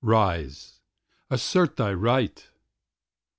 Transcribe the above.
rise, assert thy right!